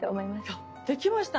いやできましたね。